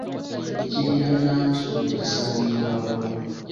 Ekibira Nansove kisangibwa wa?